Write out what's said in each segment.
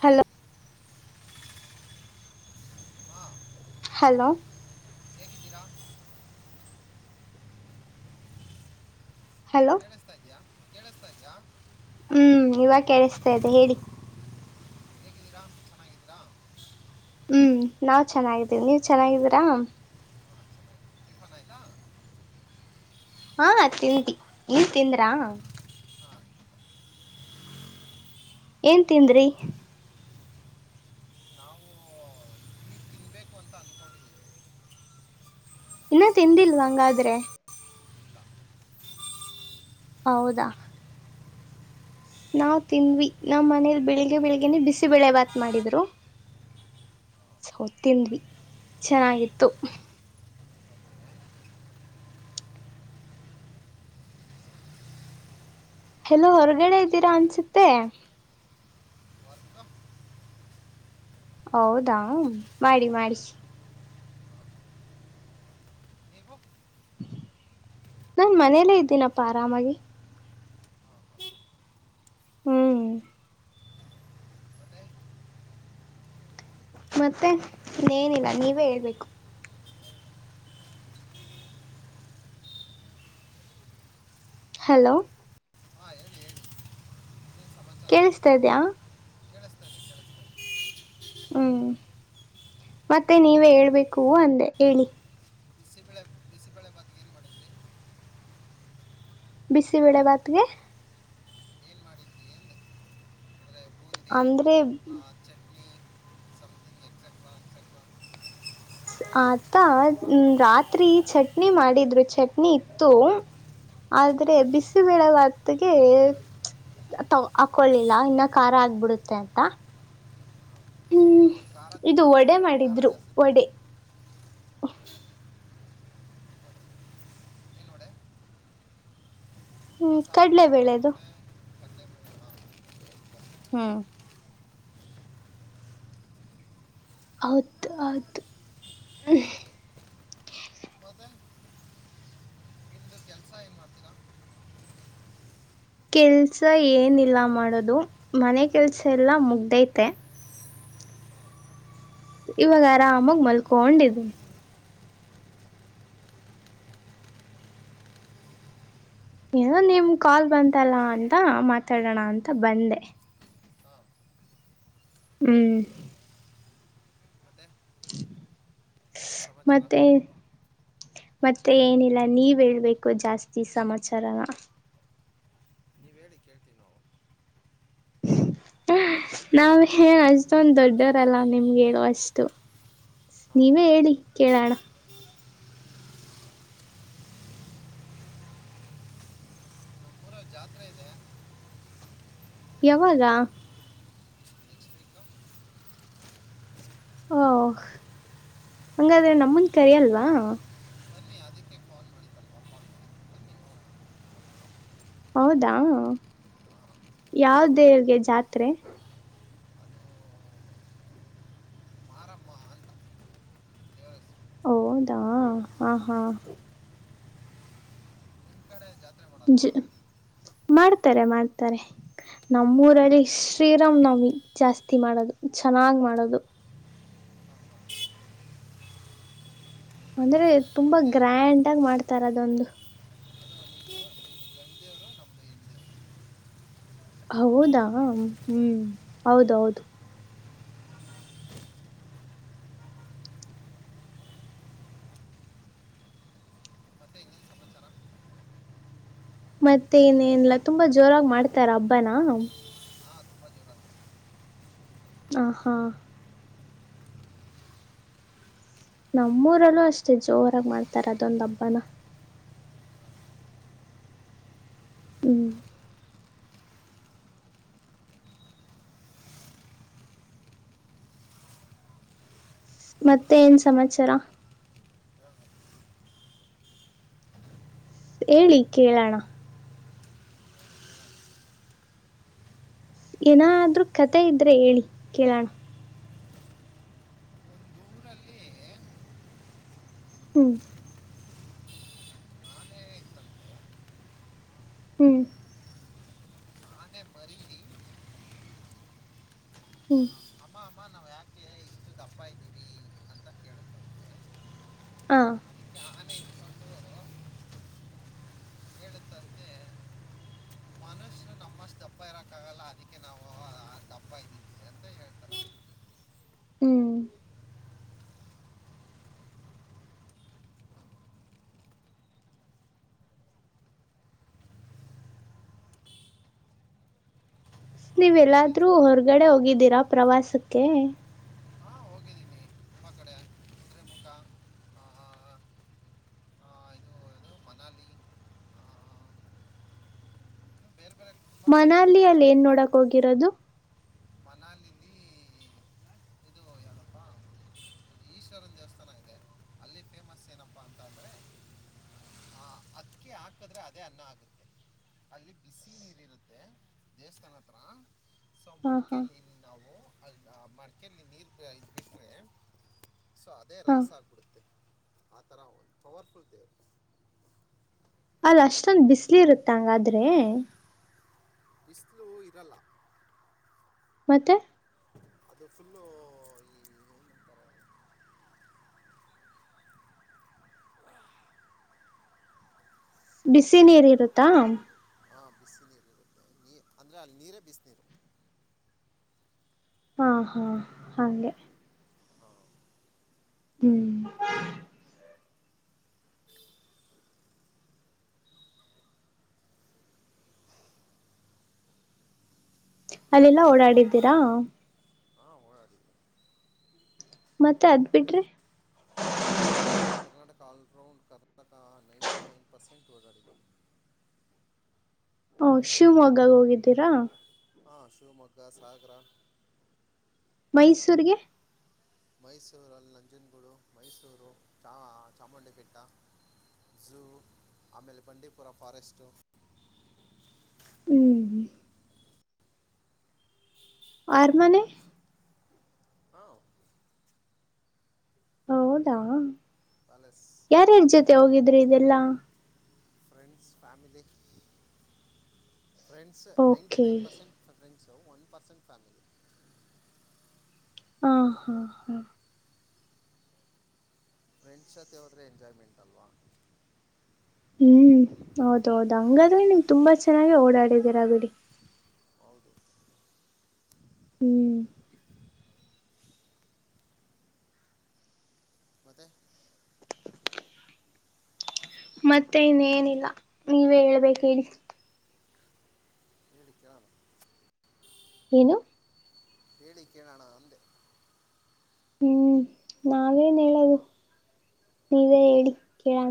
Hello ಹಾ hello [unintelligible] hello ಕೇಳಿಸುತ್ತಾ ಇದೆಯಾ ಹ್ಮ್ ಇವಾಗ ಕೇಳಸ್ತಾ ಇದೆ ಹೇಳಿ ಹೇಗಿದ್ದೀರಾ ಚೆನ್ನಾಗಿದ್ದೀರ ಹ್ಮ್ ನಾವ್ ಚೆನ್ನಾಗಿದ್ದೀವಿ ನೀವ್ ಚೆನ್ನಾಗಿದ್ದೀರ ಚೆನ್ನಾಗಿ ಟಿಫನ್ ಆಯಿತಾ ಹಾ ತಿಂದೆ ನೀವ್ ತಿಂದ್ರಾ ಹಾಂ ಏನ್ ಮತ್ತೆ ತಿಂದ್ರಿ ನಾವು ನೀವು ತಿನ್ನಬೇಕು ಅಂತ ಅಂದ್ಕೊಂಡಿದ್ದೀವಿ ಇನ್ನ ತಿಂದಿಲ್ವಾ ಹಂಗಾದ್ರೆ ಇಲ್ಲ ಹೌದಾ ನಾವ್ ತಿಂದ್ವಿ ನಮ್ಮ್ ಮನೇಲಿ ಬೆಳಿಗ್ಗೆ ಬೆಳಿಗ್ನೆ ಬಿಸಿ ಬೆಳೆ ಬಾತ್ ಮಾಡಿದ್ರು ತಿಂದ್ವಿ ಚೆನ್ನಾಗಿತ್ತು ಎಲ್ಲೊ ಹೊರಗಡೆ ಇದ್ದೀರಾ ಅನ್ಸುತ್ತೆ [inaudible] ಹೌದಾ ಮಾಡಿ ಮಾಡಿ ನೀವು ನನ್ ಮನೆಲೇ ಇದ್ದೀನಪ್ಪ ಆರಾಮಾಗಿ ಹ್ಮ್ ಮತ್ತೆ ಮತ್ತೆ ಇನ್ನೇನಿಲ್ಲ ನೀವೇ ಹೇಳ್ಬೇಕು ಹಲೋ ಹಾ ಹೇಳಿ ಹೇಳಿ ಏನು ಸಮಾಚಾರ ಕೇಳಿಸತಾಯಿದಿಯ ಕೇಳಿಸ್ತಾ ಇದೆ ಕೇಳಿಸ್ತಾ ಇದೆ ಹ್ಮ್ ಮತ್ತೆ ನೀವೇ ಹೇಳ್ಬೇಕು ಅಂದೆ ಹೇಳಿ ಬಿಸಿಬಿಳೆ ಬಿಸಿಬೇಳೆ ಬಾತ್ಗೆ ಏನ್ ಮಾಡಿದ್ರಿ ಬಿಸಿಬೇಳೆ ಬಾತ್ಗೆ ಏನು ಮಾಡಿದ್ರಿ ಏನು ಅಂದರೆ ಬೂಂದಿ ಅಂದ್ರೆ ಆ, ಚಟ್ನಿ ಸಮಥಿಂಗ್ ಎಕ್ಸೆಟ್ರಾ ಎಕ್ಸೆಟ್ರಾ ಆದ ರಾತ್ರಿ ಚಟ್ನಿ ಮಾಡಿದ್ವಿ ಚಟ್ನಿ ಇತ್ತು ಆದ್ರೆ ಬಿಸಿಬೇಳ ಬಾತಿಗೆ ಹಾಕೊಳಿಲ್ಲ ಇನ್ನ ಖಾರ ಆಗ್ಬಿಡುತ್ತೆ ಅಂತ ಹ್ಮ್ ನೀವು ಖಾರ ಇದುಇದು ತಿನ್ನಲ್ವಾ ವಡೆ ನಾವು ಖಾರ ಮಾಡಿದ್ರು ಜಾಸ್ತಿ ವಡೆ ತಿಂತೀವಿ ಏನು ನೋಡೆ ಹ್ಮ್ ಮಸಾಲೆ ಕಡ್ಲೆ ಬೆೇಳೆದು ವಡೆ ತೂತು ವಡೆ ಕಡಲೆ ಹ್ಮ್ ಹೌದ ಆಯ್ತು ಮತ್ತೆ ನಿಮ್ದು ಕೆಲ್ಸ ಏನ್ ಮಾಡ್ತೀರ ಕೆಲ್ಸ ಏನಿಲ್ಲ ಮಾಡೋದು ಮನೆ ಕೆಲ್ಸ ಎಲ್ಲಾ ಮುಗ್ದೈತೆ ಇವಾಗ ಆರಾಮಾಗ ಮಲ್ಕೊಂಡಿದಿನಿ ಏನೋ ನಿಮ್ ಕಾಲ್ ಬಂತಲ್ಲ ಅಂತ ಮಾತಾಡೋಣ ಅಂತ ಬಂದೆ ಹಾಂ ಹ್ಮ್ ಮತ್ತೆ ಏನು ಸಮಾಚಾರ ಮತ್ತೆ ಮತ್ತೆ ಏನಿಲ್ಲ ನೀವ್ ಹೇಳ್ಬೇಕು ಜಾಸ್ತಿ ಸಮಾಚಾರ ನೀವು ಹೇಳಿ ಕೇಳ್ತೀವಿ ನಾವು ನಾವ್ ಏನ್ ಅಷ್ಟೊಂದ ದೊಡ್ಡರಲ್ಲ ನಿಮ್ಗೆ ಹೇಳುವ ಅಷ್ಟು ಹಾಂ ನೀವೇ ಹೇಳಿ ಕೇಳೋಣ ನಮ್ಮ ಊರಲ್ಲಿ ಜಾತ್ರೆ ಇದೆ ಯಾವಾಗ ನೆಕ್ಸ್ಟ್ ವೀಕು ಓ ಹಂಗಾದ್ರೆ ನಮ್ಮನ್ ಕರಿ ಅಲ್ವಾ ಬನ್ನಿ ಅದಕ್ಕೆ ಕಾಲ್ ಮಾಡಿದ್ದಲ್ವ ಕಾಲ್ ಮಾಡಿ ಬನ್ನಿ ನೋಡೋಣ. ಹೌದಾ ಯಾವದೇವರಿಗೆ ಜಾತ್ರೆ ಅದು ಮಾರಮ್ಮ ಅಂತ ದೇವ್ರ ಹೆಸರು. ಹೌದ ಹಾ ಹಾ ನಿಮ್ಮ ಕಡೆ ಜಾತ್ರೆ ಮಾಡೋಲ್ವಾ ಜಿ ಮಾಡ್ತಾರೆ ಮಾಡ್ತಾರೆ ನಮ್ಮೂರಲ್ಲಿ ಶ್ರೀರಾಮ್ ನಮಿ ಜಾಸ್ತಿ ಮಾಡೋದು ಚೆನ್ನಾಗ್ ಮಾಡೋದು ಅಂದ್ರೆ ತುಂಬಾ ನಮ್ಮದೇ ಗ್ರ್ಯಾಂಡ್ ಆಗಿ ಮಾಡ್ತಾರ ಅದೊಂದು ಗಂಡೇವರು ನಮ್ಮದು ಹಿಂದೆ ಹೌದಾ ಹ್ಮ್ ಹೌದೌದು ಮತ್ತೆ ಹಂಗನ್ ಸಮಾಚಾರ ಮತ್ತೆ ಇನೇನ್ಲ್ಲ ತುಂಬಾ ಜೋರಾಗಿ ಮಾಡ್ತಾರ ಅಬ್ಬನ ಹಾಂ ತುಂಬ ಜೋರ ಹ ಹಾ ನಮ್ಮೂರಲ್ಲೂ ಅಷ್ಟೇ ಜೋರಾಗಿ ಮಾಡ್ತಾರ ಅದೊಂದ ಹಬ್ಬನ ಹ್ಮ್ ಮತ್ತೆ ಏನ್ ಸಮಾಚಾರ ಹೇಳಿ ಕೇಳೋಣ ಏನಾದ್ರೂ ಕತೆೆ ಇದ್ರೆ ಹೇಳಿ ಕೇಳೋಣ ಒಂದು ಊರಲ್ಲಿ ಹ್ಮ್ ಆನೆ ಇತ್ತಂತೆ ಹ್ಮ್ ಆನೆ ಪರಿಿ ಹ್ಮ ಅಮ್ಮ ಅಮ್ಮ ನಾವ್ ಯಾಕೆ ಇಷ್ಟು ದಪ್ಪ ಇದ್ದೀರಿ ಅಂತ ಹಾ ಯಾನ ಹೇಳುತ್ತಂತೆ ಮನುಷ್ಯರು ನಮ್ಮಷ್ಟು ದಪ್ಪ ಇರೋಕ್ಕಾಗಲ್ಲ ಅದಕ್ಕೆ ನಾವು ದಪ್ಪ ಇದ್ದೀವಿ ಸರ್ ಹ್ಮ್ ಮತ್ತೆ ಇನ್ನೇನು ನೀವೆಲ್ಲಾದ್ರೂ ಸಮಾಚಾರ ಹೊರಗಡೆ ಹೋಗಿದ್ದೀರಾ ಪ್ರವಾಸಕ್ಕೆ ಹಾಂ ಅಕ ಇದು ಇದು ಮನಾಲಿ ಆ, ಬೇರೆ ಬೇರೆ ತುಂಬ ಕಡೆ ಮನಾಲಿಯಲ್ಲಿ ಏನ್ ನೋಡಕ್ ಹೋಗಿರೋದು ಮನಾಲಲಿ ಇದು ಯಾರಪ್ಪ ಈಶ್ವರನ್ ದೇವಸ್ಥಾನ ಇದೆ ಅಲ್ಲಿ ಫೇಮಸ್ ಏನಪ್ಪಾ ಅಂತ ಅಂದ್ರೆ ಹ ಅದಕಿ ಹಾಕದ್ರೆ ಅದೇ ಅನ್ನ ಆಗುತ್ತೆ ಅಲ್ಲಿ ಬಿಸಿ ನೀರ್ ಇರುತ್ತೆ ದೇವಸ್ಥಾನ ಹತ್ರ ಹಾ ಹಾ ಅದ ಮಡಕಲಿ ನೀರ್ ಬಿಟ್ರೆ ಸೊ ಅದೇ ಹಾ ರೈಸ್ ಹಾಕ್ಬಿಡುತ್ತೆ ಆತರ ಪವರ್ಫುಲ್ ದ ಅದ ಅಷ್ಟೊಂದ ಬಿಸ್ಲಿ ಇರುತ್ತ ಹಂಗಾದ್ರೆ ಬಿಸ್ಲು ಇರಲ್ಲ ಮತ್ತೆ ಅದು ಫುಲ್ಲು ಈ ಏನಂತಾರೆ ಬಿಸ ನೀರ್ ಇರುತ್ತಾ ಹಾ ಬಿಸ ನೀೀರುರುತ್ತೆ ನೀ ಅಂದ್ರೆ ಅಲ್ಲಿ ನೀರೇ ಬಿಸ ನೀೀರುತ್ತೆ ಹಾ ಹಾ ಹಾಗೆ ಹಾಂ ಹ್ಮ್ ಅಲ್ಲೆಲ್ಲಾ ಓಡಾಡಿದ್ದೀರಾ ಹಾಂ ಓಡಾಡಿದ್ದೀನಿ ಮತ್ತೆ ಅದ್ ಬಿಡ್ರಿ ಅದಿಟರೆ Karnataka all round Karnataka ninety nine percent ಓಗಾಡಿದ್ದೀನಿ ಓ ಶಿವಮೊಗ್ಗಗ ಹೋಗಿದ್ದೀರಾ ಹಾ ಶಿವಮೊಗ್ಗ ಸಾಗರ ಮೈಸೂರ್ಗೆ ಮೈಸೂರುಲ್ಲಿ ನಂಜನಗೂಡು ಮೈಸೂರು ಚ ಚಾಮುಂಡಿಪೇಟ್ಟ ಝೂ ಆಮೇಲೆ ಬಂಡೀಪುರ ಫಾರೆಸ್ಟು ಹ್ಮ್ ಆ ಮಾನ ಹಾಂ ಹೌದಾ ಪ್ಯಾಲೇಸ್ ಯಾರನ್ ಜೊತೆ ಹೋಗಿದ್ರು ಇದೆಲ್ಲಾ ಫ್ಯಾಮ ್ ninety okay nine percent one percent ಫ್ಯಾಮಿ ಹ ಹಾ ಹಾ ಫ್ರೆಂಡ್ಸ್ ಜತೆ ಹೋದ್ರೆ ಎಂಜಾಯ್ಮೆಂಟ್ ಅಲ್ವಾ ಹ್ಮ್ ಹೌದ ಹೌದು ಹಂಗಾದ್ರೆ ನೀಮ್ ತುಂಬಾ ಚೆನ್ನಾಗಿ ಓಡಾಡಿದೀರಾ ಬಿಡಿ ಹೌದು ಹ್ಮ್ ಮತ್ತೆ ಮತ್ತೆ ಇನ್ನೇನಿಲ್ಲ ನೀವೇ ಹೇಳ್ಬೇಕ ಹೇಳಿ ಹೇಳಿ ಕೇಳೋಣ ಏನು ಹೇಳಿ ಕೇಳೋಣ ಅಂದೆ ಹ್ಮ್ ನಾವೇನ್ ಹೇಳದು ನೀವೇ ಹೇಳಿ ಕೇಳೋಣ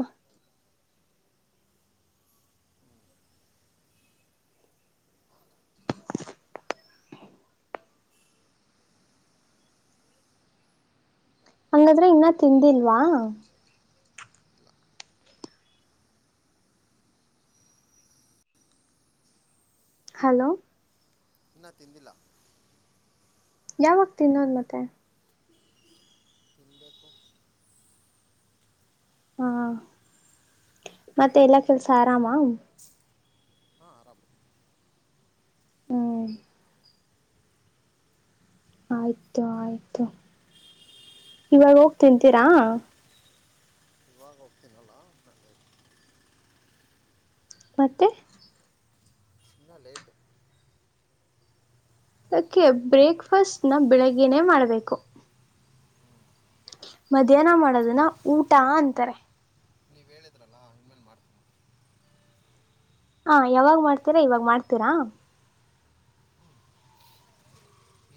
ಹಂಗಾದ್ರೆ ಇನ್ನ ತಿಂದಿಲ್ವಾ ಇಲ್ಲ ಹಲೋ ಇನ್ನ ತಿಂದಿಲ್ಲ ಯಾವಾಗ ತಿನ್ನೋದು ಮತ್ತೆ ತಿನ್ಬೇಕು ಹಾ ಮತ್ತೆ ಎಲ್ಲಾ ಕೆಲ್ಸ ಆರಾಮ ಹಾಂ ಆರಾಮ ಹ್ಮ್ ಆಯ್ತು ಆಯ್ತು ಇವಾಗ ಹೋಗ್ ತಿಂತೀರಾ ಇವಾಗ ಹೋಗ್ತಿನಲ್ಲ [unintelligible] ಮತ್ತೆ ಇನ್ನಾ ಲೇಟು ಅದ್ಕೆ ಬ್ರೇಕ್ಫಾಸ್ಟ್ ನ ಬೆಳಗ್ಗೆನೆ ಮಾಡ್ಬೇಕು ಮಧ್ಯಾಹ್ನ ಮಾಡೋದುನ ಊಟ ಅಂತರೆ ನೀವ್ ಹೇಳಿದ್ರಲ್ಲಾ ಇನ್ನಮೇಲೆ ಮಾಡ್ತೀನಿ ಹಾ ಯಾವಾಗ್ ಮಾಡ್ತಿರಾ ಇವಾಗ ಮಾಡ್ತಿರಾ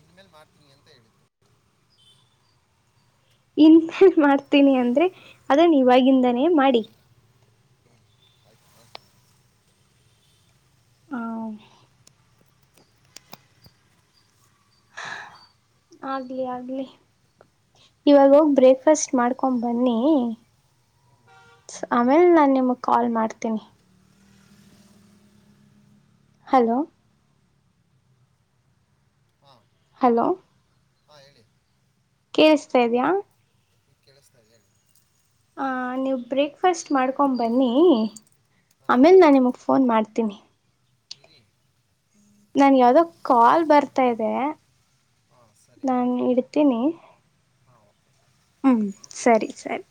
ಇನ್ಮೇಲ್ ಮಾಡ್ತಿನಿ ಅಂತ ಹೇಳಿದ್ದು ಇನ್ನ್ ಹ್ಹ್ ಹ್ಹ್ ಮಾಡ್ತಿನಿ ಅಂದ್ರೆ ಅದುನ್ ಇವಾಗಿಂದನೇ ಮಾಡಿ ಆಯ್ತು ಮಾಡ್ತೀನಿ ಹಾ ಆಗ್ಲಿ ಆಗ್ಲಿ ಇವಾಗ ಹೋಗಿ ಬ್ರೇಕ್ಫಾಸ್ಟ್ ಮಾಡ್ಕೊಂ ಬನ್ನಿ ಆಮೇಲ್ ನಾನ್ ನಿಮುಗ್ ಕಾಲ್ ಮಾಡ್ತಿನ್ ಹಲೋ ಹಾ ಹಲೋ ಹಾ ಹೇಳಿ ಕೇಳ್ಸ್ತಾ ಇದ್ಯಾ ಕೇಳಸ್ತಾ ಇದೆ ಹಾ ನೀವ್ ಬ್ರೇಕ್ಫಾಸ್ಟ್ ಮಾಡ್ಕೊಂ ಬನ್ನಿ ಹಾಂ ಆಮೇಲ್ ನಾನ್ ನಿಮುಗ್ ಫೋನ್ ಮಾಡ್ತಿನಿ ಇರಿ ನಂಗ್ ಯಾವ್ದೋ ಕಾಲ್ ಬರ್ತಾ ಇದೆ ಹಾಂ ಸರಿ ನಾನ್ ಆಯಿತು ಇಡ್ತೀನಿ ಹಾಂ ಓಕೆ ಹ್ಮ್ ಸರಿ ಸರಿ.